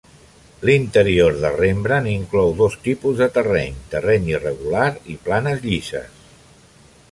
L'interior de Rembrandt inclou dos tipus de terreny: terreny irregular i planes llises.